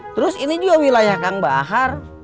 terus ini juga wilayah kang bahar